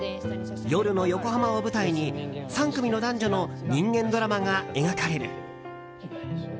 夜の横浜を舞台に３組の男女の人間ドラマが描かれる。